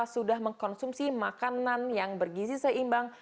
sudah mengkonsumsi makanan yang bergizi seimbang